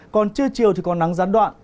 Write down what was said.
còn trưa chiều thì có nắng gián đoạn